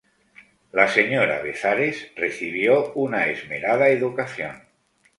La señora Bezares recibió una esmerada educación.